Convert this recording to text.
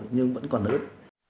nhưng vẫn còn ớt